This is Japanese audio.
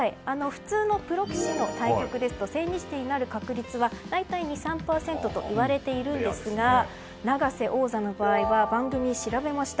普通のプロ棋士の対局ですと千日手になる確率は大体２３％といわれているんですが永瀬王座の場合は番組、調べました。